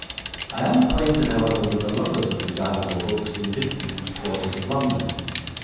I am acquainted, however, with the lovers of desirable books in different quarters of London.